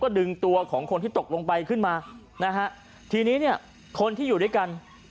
ดึงตัวของคนที่ตกลงไปขึ้นมานะฮะทีนี้เนี่ยคนที่อยู่ด้วยกัน